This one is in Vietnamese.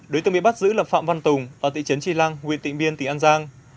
đối tượng bị bắt giữ là phạm văn tùng ở thị trấn tri lăng huyện tịnh biên tỉnh an giang